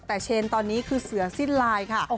แต่เชนตอนนี้คือเสือสิ้นลายค่ะ